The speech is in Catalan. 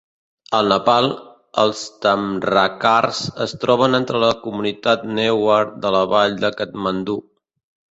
Al Nepal, els tamrakars es troben entre la comunitat newar de la vall de Katmandú.